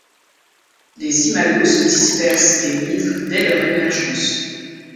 Les imagos se dispersent et migrent dès leur émergence.